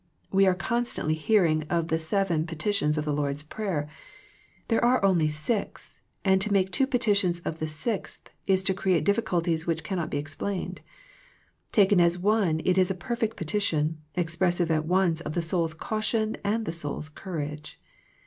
We are constantly hearing of the seven pe titions of the Lord's prayer. There are only six, and to make two petitions of the sixth is to create difficulties which cannot be explained. Taken as one it is a perfect petition, expressive at once of the soul's caution and the soul's courage.